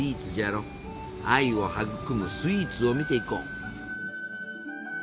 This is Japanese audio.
愛を育むスイーツを見ていこう。